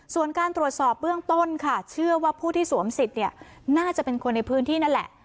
ส่วนการตรวจสอบเบื้องต้นค่ะเชื่อว่าผู้ที่สวมสิทธิ์เนี่ยน่าจะเป็นคนในพื้นที่นั่นแหละ